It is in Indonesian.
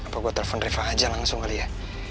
apa gue telepon riva aja langsung kali ya